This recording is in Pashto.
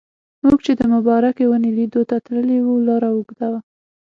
موږ چې د مبارکې ونې لیدلو ته تللي وو لاره اوږده وه.